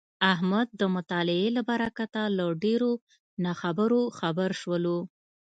احمد د مطالعې له برکته له ډېرو ناخبرو خبر شولو.